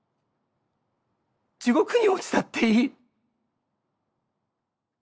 地獄に落ちたっていい。